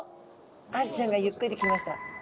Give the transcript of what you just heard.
アジちゃんがゆっくり来ました。